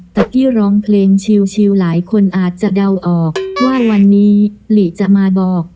กี้ร้องเพลงชิวหลายคนอาจจะเดาออกว่าวันนี้หลีจะมาบอก